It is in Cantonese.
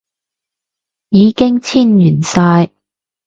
已經簽完晒